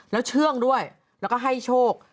แล้วเชื่องด้วยแล้วก็ให้โชค